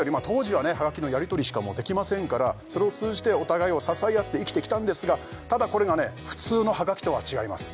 はがきのやり取りしかできませんからそれを通じてお互いを支え合って生きてきたんですがただこれがね普通のはがきとは違います